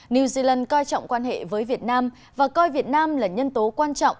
new zealand coi trọng quan hệ với việt nam và coi việt nam là nhân tố quan trọng